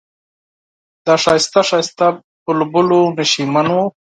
د ښایسته ښایسته بلبلو نشیمن و.